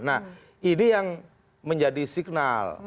nah ini yang menjadi signal